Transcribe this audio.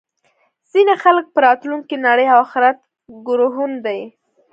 ځینې خلک په راتلونکې نړۍ او اخرت ګروهن دي